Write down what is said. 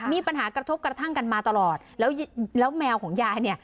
มีปัญหากระทบกระทั่งกันมาตลอดแล้วแล้วแมวของยายเนี่ย